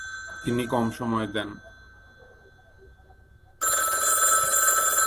তিনি কম সময় দেন ।